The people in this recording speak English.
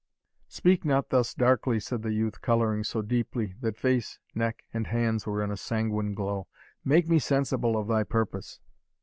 "Speak not thus darkly," said the youth, colouring so deeply, that face, neck, and hands were in a sanguine glow; "make me sensible of thy purpose."